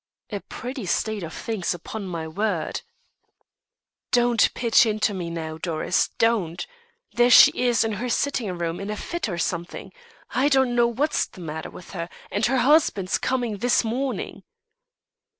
"A pretty state of things, upon my word." "Don't pitch into me now, Doris, don't. There she is in her sitting room in a fit or something; I don't know what's the matter with her; and her husband's coming this morning."